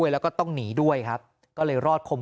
มันมีปืน